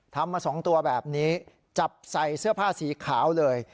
ทำมา๒ตัวแบบนี้จับใส่เสื้อผ้าสีขาวเลย